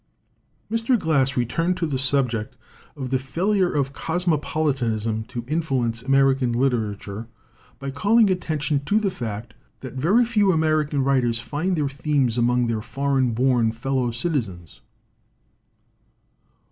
Mr. Glass returned to the subject of the failure of cosmopolitanism to influence American litera ture by calling attention to the fact that very few American writers find their themes among their foreign born fellow citizens.